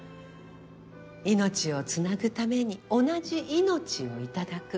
命をつなぐために同じ命をいただく。